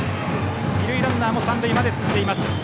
二塁ランナーも三塁まで進んでいます。